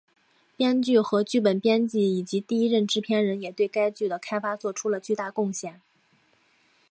编剧和剧本编辑以及第一任制片人也对该剧的开发作出了重大贡献。